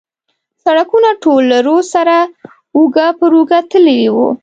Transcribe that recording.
سړکونه ټول له رود سره اوږه پر اوږه تللي و.